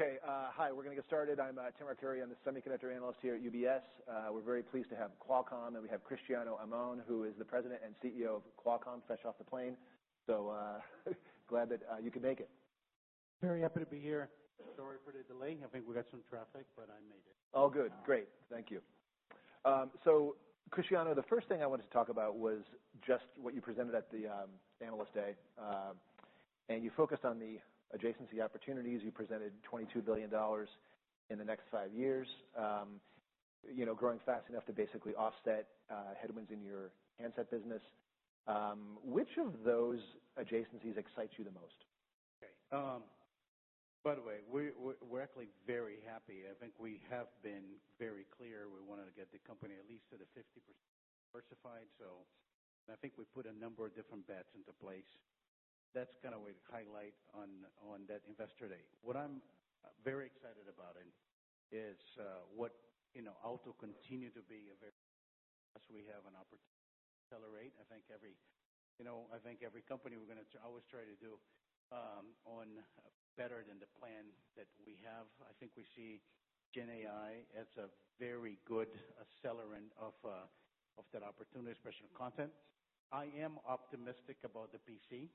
Okay. Hi. We're gonna get started. I'm Tim Arcuri. I'm the semiconductor analyst here at UBS. We're very pleased to have Qualcomm, and we have Cristiano Amon, who is the president and CEO of Qualcomm, fresh off the plane, so glad that you could make it. Very happy to be here. Sorry for the delay. I think we got some traffic, but I made it. All good. Great. Thank you. So, Cristiano, the first thing I wanted to talk about was just what you presented at the Analyst Day. And you focused on the adjacency opportunities. You presented $22 billion in the next five years, you know, growing fast enough to basically offset headwinds in your handset business. Which of those adjacencies excites you the most? Okay. By the way, we're actually very happy. I think we have been very clear we wanted to get the company at least to the 50% diversified. So I think we put a number of different bets into place. That's kinda what we'd highlight on that Investor Day. What I'm very excited about is, you know, auto continue to be a very as we have an opportunity to accelerate. I think, you know, every company we're gonna always try to do better than the plan that we have. I think we see Gen AI as a very good accelerant of that opportunity, especially content. I am optimistic about the PC,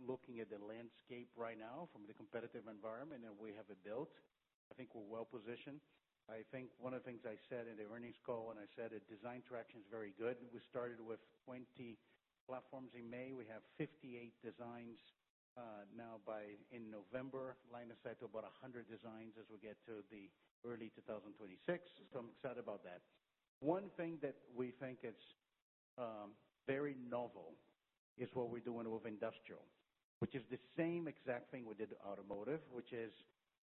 looking at the landscape right now from the competitive environment that we have built. I think we're well positioned. I think one of the things I said in the earnings call, and I said the design traction's very good. We started with 20 platforms in May. We have 58 designs now, by November, lining us up to about 100 designs as we get to the early 2026, so I'm excited about that. One thing that we think is very novel is what we're doing with industrial, which is the same exact thing we did in automotive, which is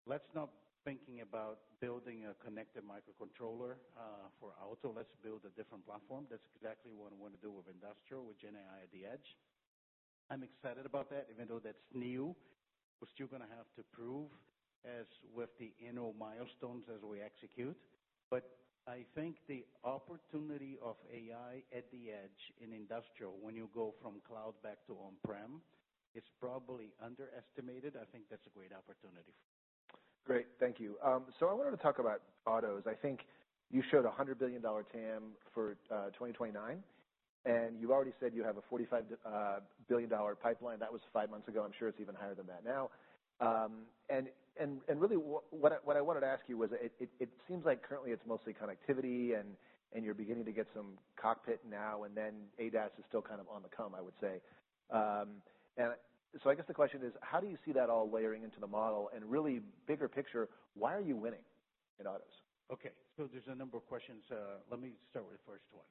let's not think about building a connected microcontroller for auto. Let's build a different platform. That's exactly what I wanna do with industrial, with Gen AI at the edge. I'm excited about that, even though that's new. We're still gonna have to prove it out with the interim milestones as we execute. But I think the opportunity of AI at the edge in industrial, when you go from cloud back to on-prem, is probably underestimated. I think that's a great opportunity. Great. Thank you. So I wanted to talk about autos. I think you showed a $100 billion TAM for 2029. You've already said you have a $45 billion pipeline. That was five months ago. I'm sure it's even higher than that now. Really what I wanted to ask you was, it seems like currently it's mostly connectivity, and you're beginning to get some cockpit now. Then ADAS is still kind of on the come, I would say. So I guess the question is, how do you see that all layering into the model? Really, bigger picture, why are you winning in autos? Okay, so there's a number of questions. Let me start with the first one.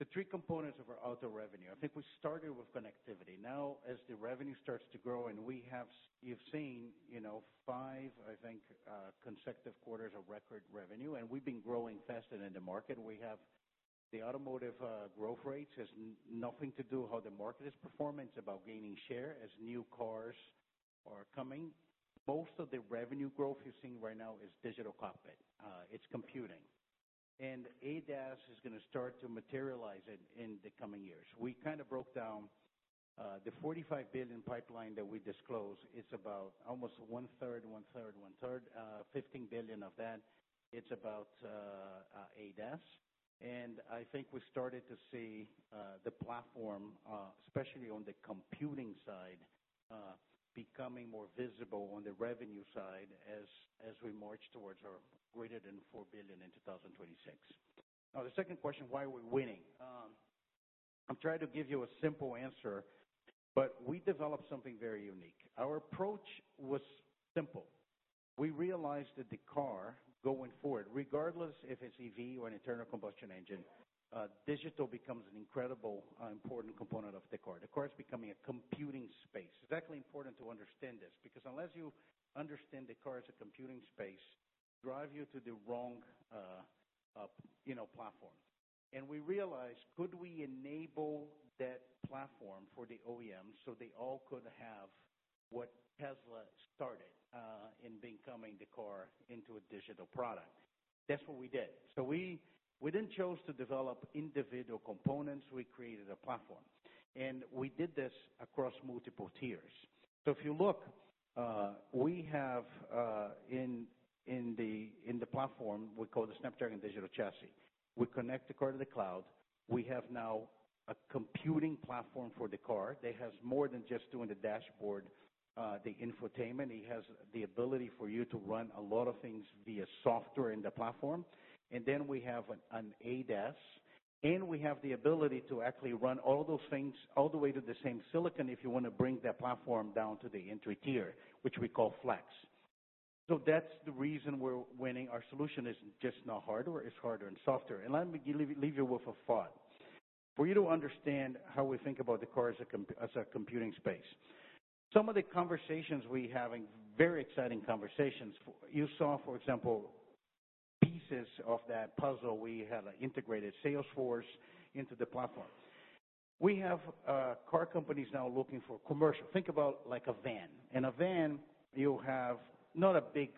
The three components of our auto revenue, I think we started with connectivity. Now, as the revenue starts to grow, and we have you've seen, you know, five, I think, consecutive quarters of record revenue, and we've been growing fast in the market. We have the automotive growth rates has nothing to do how the market is performing. It's about gaining share as new cars are coming. Most of the revenue growth you're seeing right now is digital cockpit. It's computing. And ADAS is gonna start to materialize in the coming years. We kinda broke down the $45 billion pipeline that we disclosed. It's about almost one-third, one-third, one-third. $15 billion of that, it's about ADAS. I think we started to see the platform, especially on the computing side, becoming more visible on the revenue side as we march towards our greater than $4 billion in 2026. Now, the second question, why are we winning? I'm trying to give you a simple answer, but we developed something very unique. Our approach was simple. We realized that the car going forward, regardless if it's EV or an internal combustion engine, digital becomes an incredible, important component of the car. The car is becoming a computing space. It's actually important to understand this because unless you understand the car as a computing space, drives you to the wrong, you know, platform. We realized, could we enable that platform for the OEM so they all could have what Tesla started, in becoming the car into a digital product? That's what we did. So we then chose to develop individual components. We created a platform. And we did this across multiple tiers. So if you look, we have in the platform we call the Snapdragon Digital Chassis. We connect the car to the cloud. We have now a computing platform for the car that has more than just doing the dashboard, the infotainment. It has the ability for you to run a lot of things via software in the platform. And then we have an ADAS. And we have the ability to actually run all those things all the way to the same silicon if you wanna bring that platform down to the entry tier, which we call Flex. So that's the reason we're winning. Our solution is just not hardware. It's hardware and software. And let me leave you with a thought. For you to understand how we think about the car as a computing space, some of the conversations we're having, very exciting conversations. You saw, for example, pieces of that puzzle. We had integrated Salesforce into the platform. We have car companies now looking for commercial. Think about like a van. In a van, you have not a big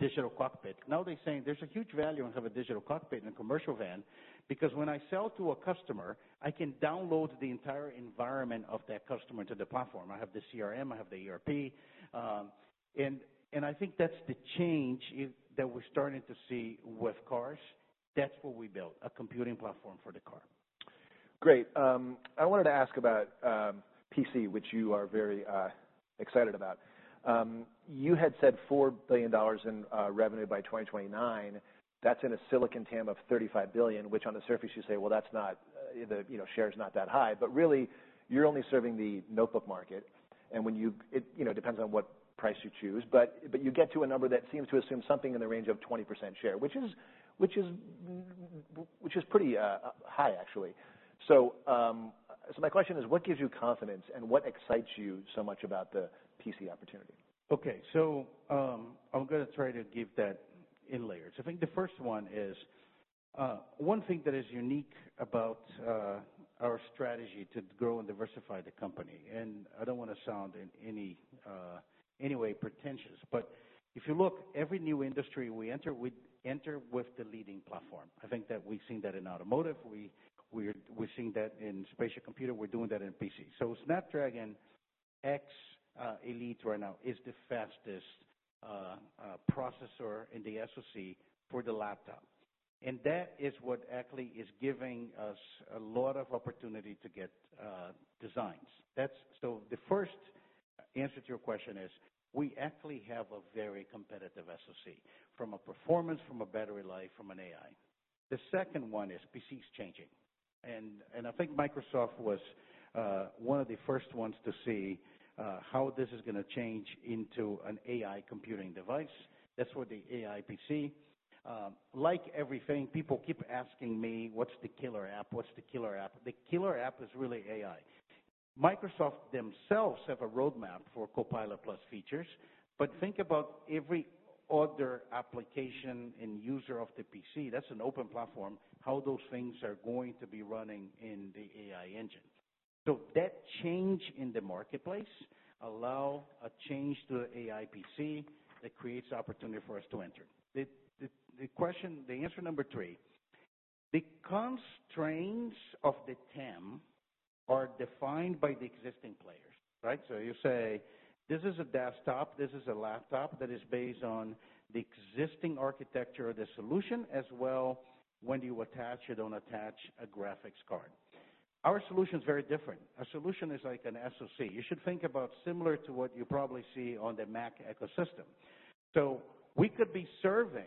digital cockpit. Now they're saying there's a huge value in having a digital cockpit in a commercial van because when I sell to a customer, I can download the entire environment of that customer into the platform. I have the CRM. I have the ERP, and I think that's the change that we're starting to see with cars. That's what we built, a computing platform for the car. Great. I wanted to ask about PC, which you are very excited about. You had said $4 billion in revenue by 2029. That's in a silicon TAM of $35 billion, which on the surface you say, well, that's not the, you know, share's not that high. But really, you're only serving the notebook market. And when you do it, you know, depends on what price you choose. But you get to a number that seems to assume something in the range of 20% share, which is pretty high actually. So my question is, what gives you confidence and what excites you so much about the PC opportunity? Okay. So, I'm gonna try to give that in layers. I think the first one is one thing that is unique about our strategy to grow and diversify the company. And I don't wanna sound in any way pretentious. But if you look, every new industry we enter, we enter with the leading platform. I think that we've seen that in automotive. We're seeing that in spatial computing. We're doing that in PC. So Snapdragon X Elite right now is the fastest processor in the SoC for the laptop. And that is what actually is giving us a lot of opportunity to get designs. That's the first answer to your question is we actually have a very competitive SoC from a performance, from a battery life, from an AI. The second one is PCs changing. I think Microsoft was one of the first ones to see how this is gonna change into an AI computing device. That's what the AI PC, like everything, people keep asking me, what's the killer app? What's the killer app? The killer app is really AI. Microsoft themselves have a roadmap for Copilot+ features. But think about every other application and user of the PC. That's an open platform, how those things are going to be running in the AI engine. That change in the marketplace allows a change to the AI PC that creates opportunity for us to enter. The question, the answer number three, the constraints of the TAM are defined by the existing players, right? You say, this is a desktop. This is a laptop that is based on the existing architecture of the solution as well. When you attach it, don't attach a graphics card. Our solution's very different. Our solution is like an SOC. You should think about similar to what you probably see on the Mac ecosystem. So we could be serving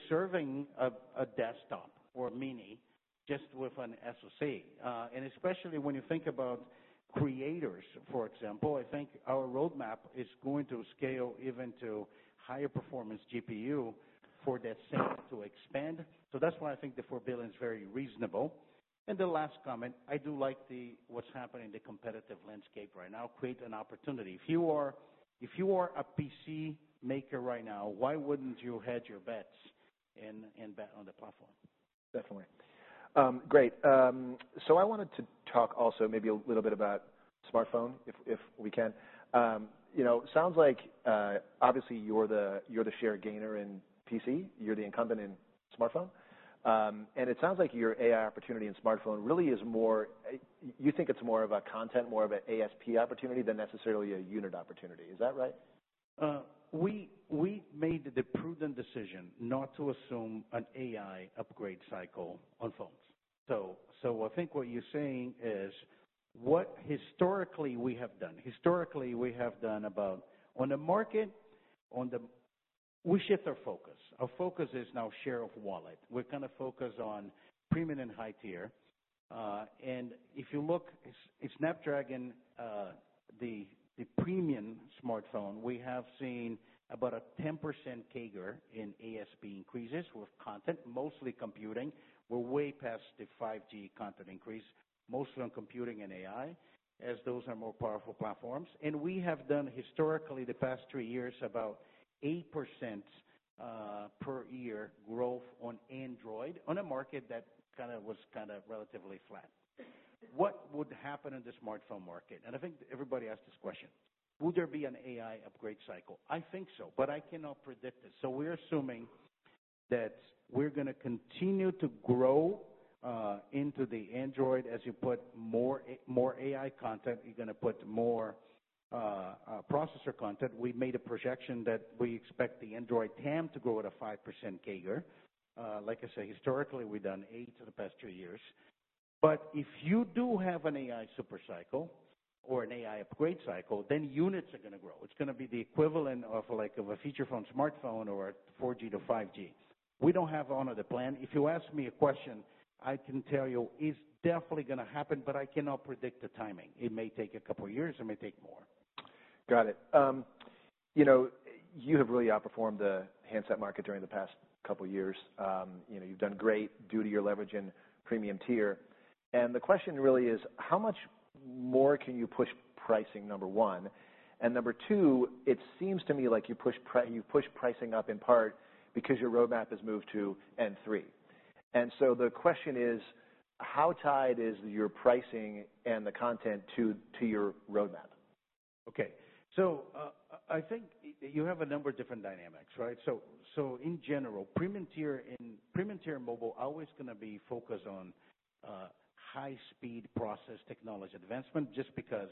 a desktop or a mini just with an SOC. And especially when you think about creators, for example, I think our roadmap is going to scale even to higher performance GPU for that same to expand. So that's why I think the $4 billion is very reasonable. And the last comment, I do like what's happening in the competitive landscape right now create an opportunity. If you are a PC maker right now, why wouldn't you hedge your bets and bet on the platform? Definitely. Great, so I wanted to talk also maybe a little bit about smartphone if we can. You know, sounds like, obviously you're the share gainer in PC. You're the incumbent in smartphone, and it sounds like your AI opportunity in smartphone really is more you think it's more of a content, more of a ASP opportunity than necessarily a unit opportunity. Is that right? We made the prudent decision not to assume an AI upgrade cycle on phones. So I think what you're saying is what historically we have done about on the market, on the we shift our focus. Our focus is now share of wallet. We're gonna focus on premium and high tier. And if you look, Snapdragon, the premium smartphone, we have seen about a 10% CAGR in ASP increases with content, mostly computing. We're way past the 5G content increase, mostly on computing and AI as those are more powerful platforms. And we have done historically the past three years about 8% per year growth on Android on a market that kinda was relatively flat. What would happen in the smartphone market? And I think everybody asked this question. Would there be an AI upgrade cycle? I think so, but I cannot predict it. So we're assuming that we're gonna continue to grow into the Android as you put more, more AI content. You're gonna put more processor content. We made a projection that we expect the Android TAM to grow at a 5% CAGR. Like I said, historically we've done 8% in the past three years. But if you do have an AI supercycle or an AI upgrade cycle, then units are gonna grow. It's gonna be the equivalent of like of a feature phone, smartphone, or 4G-5G. We don't have on the plan. If you ask me a question, I can tell you it's definitely gonna happen, but I cannot predict the timing. It may take a couple of years. It may take more. Got it. You know, you have really outperformed the handset market during the past couple of years. You know, you've done great due to your leverage in premium tier. And the question really is, how much more can you push pricing, number one? And number two, it seems to me like you've pushed pricing up in part because your roadmap has moved to N3. And so the question is, how tied is your pricing and the content to your roadmap? Okay. I think you have a number of different dynamics, right? So in general, premium tier mobile is always gonna be focused on high-speed process technology advancement just because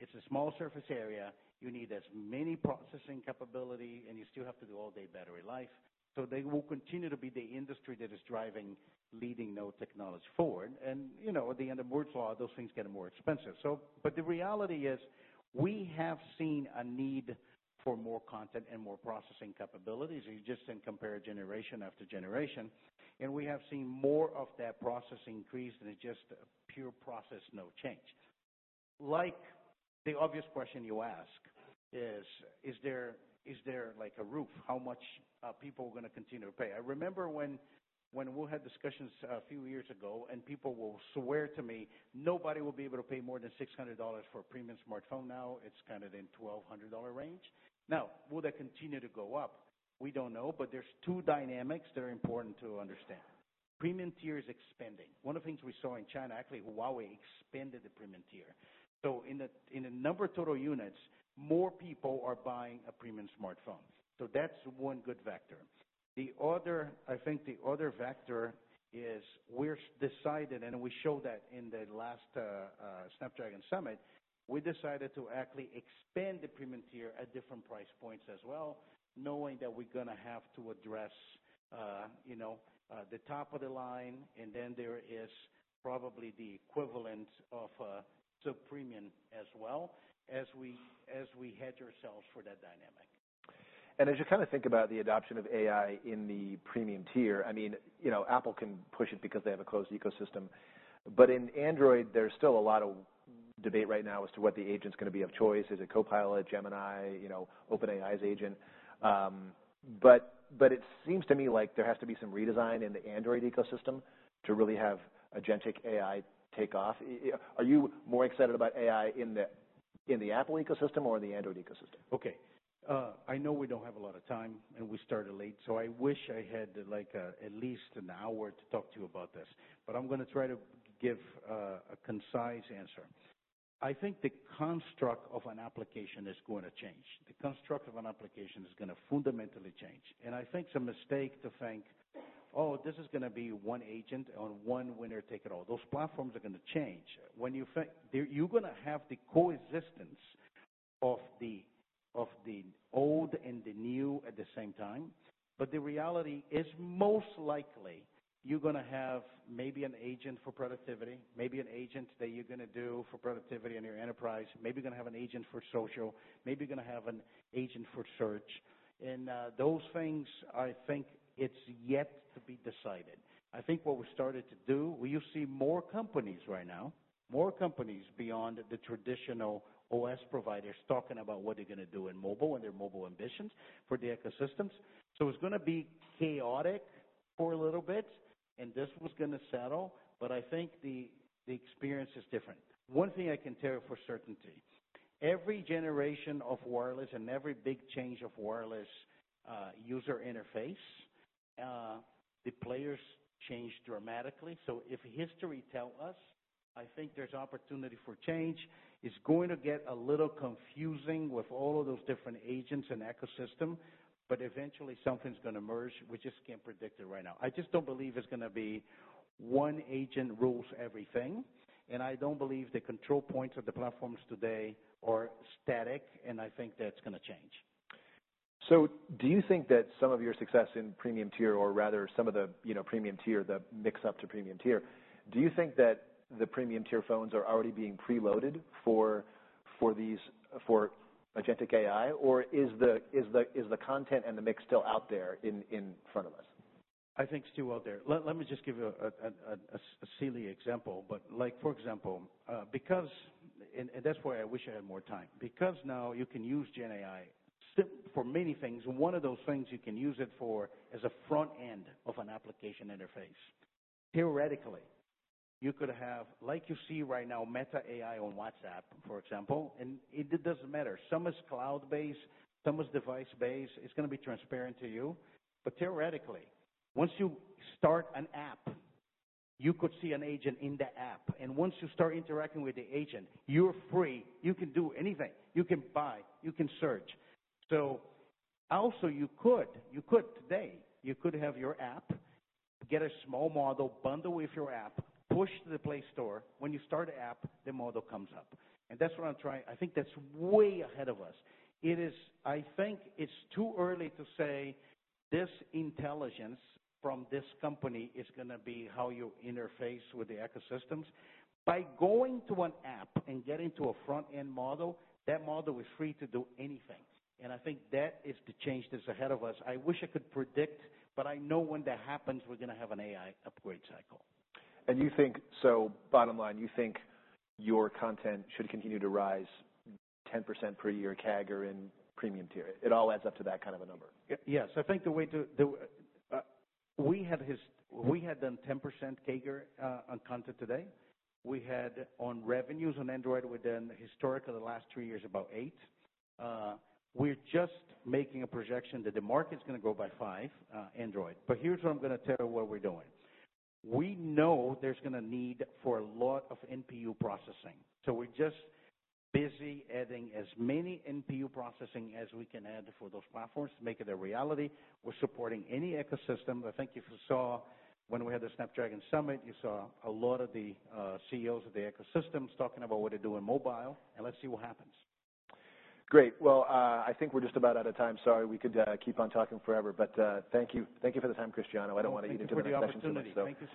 it's a small surface area. You need as many processing capability, and you still have to do all-day battery life. So they will continue to be the industry that is driving leading node technology forward. And you know, at the end of Moore's Law, those things get more expensive. But the reality is we have seen a need for more content and more processing capabilities. You just didn't compare generation after generation. And we have seen more of that process increase than just pure process no change. Like the obvious question you ask is, is there like a roof? How much people are gonna continue to pay? I remember when we had discussions a few years ago, and people will swear to me, nobody will be able to pay more than $600 for a premium smartphone now. It's kind of in $1,200 range. Now, will that continue to go up? We don't know, but there's two dynamics that are important to understand. Premium tier is expanding. One of the things we saw in China, actually, Huawei expanded the premium tier. So, in the number of total units, more people are buying a premium smartphone. So that's one good factor. The other, I think the other factor is we've decided, and we showed that in the last Snapdragon Summit, we decided to actually expand the premium tier at different price points as well, knowing that we're gonna have to address, you know, the top of the line. And then there is probably the equivalent of a sub-premium as well as we hedge ourselves for that dynamic. As you kinda think about the adoption of AI in the premium tier, I mean, you know, Apple can push it because they have a closed ecosystem. But in Android, there's still a lot of debate right now as to what the agent's gonna be of choice. Is it Copilot, Gemini, you know, OpenAI's agent? But it seems to me like there has to be some redesign in the Android ecosystem to really have agentic AI take off. Are you more excited about AI in the Apple ecosystem or in the Android ecosystem? Okay. I know we don't have a lot of time, and we started late. So I wish I had, like, at least an hour to talk to you about this. But I'm gonna try to give a concise answer. I think the construct of an application is gonna change. The construct of an application is gonna fundamentally change. And I think it's a mistake to think, oh, this is gonna be one agent on one winner take it all. Those platforms are gonna change. When you think they're you're gonna have the coexistence of the, of the old and the new at the same time. But the reality is most likely you're gonna have maybe an agent for productivity, maybe an agent that you're gonna do for productivity in your enterprise, maybe you're gonna have an agent for social, maybe you're gonna have an agent for search. Those things, I think it's yet to be decided. I think what we started to do, we'll see more companies right now, more companies beyond the traditional OS providers talking about what they're gonna do in mobile and their mobile ambitions for the ecosystems. So it's gonna be chaotic for a little bit, and this was gonna settle. But I think the experience is different. One thing I can tell you for certain, every generation of wireless and every big change of wireless user interface, the players change dramatically. So if history tells us, I think there's opportunity for change. It's going to get a little confusing with all of those different agents and ecosystem. But eventually something's gonna emerge. We just can't predict it right now. I just don't believe it's gonna be one agent rules everything. I don't believe the control points of the platforms today are static. I think that's gonna change. So do you think that some of your success in premium tier, or rather some of the, you know, premium tier, the mix up to premium tier, do you think that the premium tier phones are already being preloaded for these agentic AI? Or is the content and the mix still out there in front of us? I think it's still out there. Let me just give you a silly example. But like, for example, because and that's why I wish I had more time. Because now you can use GenAI for many things. One of those things you can use it for is a front end of an application interface. Theoretically, you could have, like you see right now, Meta AI on WhatsApp, for example. And it doesn't matter. Some is cloud-based, some is device-based. It's gonna be transparent to you. But theoretically, once you start an app, you could see an agent in the app. And once you start interacting with the agent, you're free. You can do anything. You can buy. You can search. So also you could today, you could have your app, get a small model, bundle with your app, push to the Play Store. When you start the app, the model comes up, and that's what I'm trying. I think that's way ahead of us. It is. I think it's too early to say this intelligence from this company is gonna be how you interface with the ecosystems. By going to an app and getting to a front-end model, that model is free to do anything, and I think that is the change that's ahead of us. I wish I could predict, but I know when that happens, we're gonna have an AI upgrade cycle. And you think, so bottom line, you think your content should continue to rise 10% per year CAGR in premium tier? It all adds up to that kind of a number. Yes. I think the way to, we had done 10% CAGR on connectivity today. We had on revenues on Android. We've done historically the last three years about 8%. We're just making a projection that the market's gonna grow by 5%, Android. But here's what I'm gonna tell you what we're doing. We know there's gonna need for a lot of NPU processing. So we're just busy adding as many NPU processing as we can add for those platforms to make it a reality. We're supporting any ecosystem. I think if you saw when we had the Snapdragon Summit, you saw a lot of the CEOs of the ecosystems talking about what to do in mobile. Let's see what happens. Great. Well, I think we're just about out of time. Sorry. We could keep on talking forever. But thank you. Thank you for the time, Cristiano. I don't wanna eat into the discussion today. Thank you.